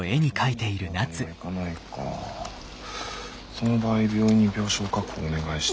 その場合病院に病床確保をお願いして。